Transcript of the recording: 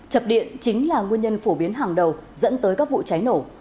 chập điện chính là nguyên nhân phổ biến hàng đầu dẫn tới các vụ cháy nổ